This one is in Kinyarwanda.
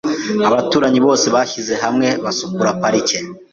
Abaturanyi bose bishyize hamwe basukura parike.